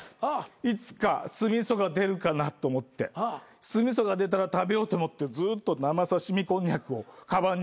いつか酢味噌が出るかなと思って酢味噌が出たら食べようと思ってずっと生さしみこんにゃくをかばんに入れているぜ。